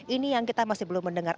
ini yang kita masih belum mendengar